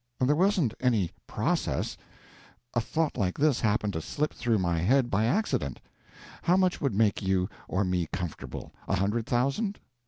"There wasn't any process. A thought like this happened to slip through my head by accident: How much would make you or me comfortable? A hundred thousand.